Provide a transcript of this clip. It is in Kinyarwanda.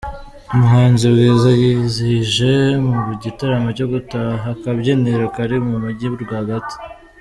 Umuhanzi Bwiza Yizihije mu gitaramo cyo gutaha akabyiniro kari Mumugi rwagati